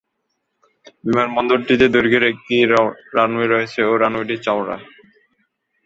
বিমানবন্দরটিতে দৈর্ঘ্যের একটি রানওয়ে রয়েছে এবং রানওয়েটি চওড়া।